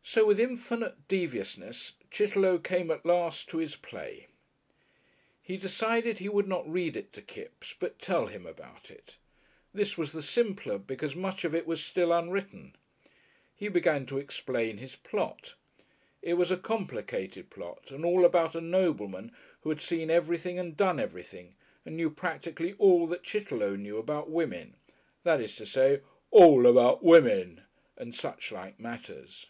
So with infinite deviousness Chitterlow came at last to his play. He decided he would not read it to Kipps, but tell him about it. This was the simpler because much of it was still unwritten. He began to explain his plot. It was a complicated plot and all about a nobleman who had seen everything and done everything and knew practically all that Chitterlow knew about women; that is to say, "all about women" and suchlike matters.